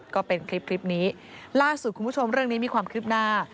ก็เป็นคลิปคลิปนี้ล่าสุดคุณผู้ชมเรื่องนี้มีความคืบหน้า